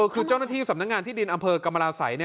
คือเจ้าหน้าที่สำนักงานที่ดินอำเภอกรรมราศัย